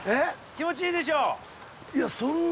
気持ちいいでしょ？